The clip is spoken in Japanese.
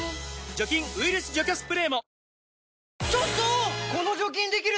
除菌・ウイルス除去スプレーも！